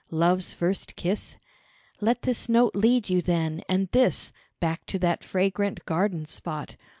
"Love's first kiss? Let this note lead you then, and this Back to that fragrant garden spot."